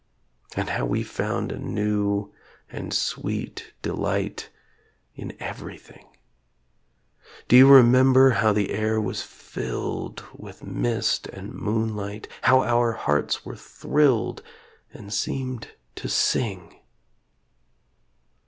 And how we found a new and sweet delight In everything? Do you remember how the air was filled With mist and moonlight how our hearts were thrilled And seemed to sing?